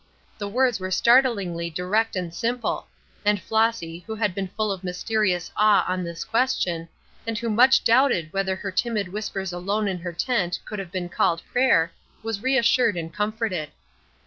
The words were startlingly direct and simple, and Flossy, who had been full of mysterious awe on this question, and who much doubted whether her timid whispers alone in her tent could have been called prayer, was reassured and comforted.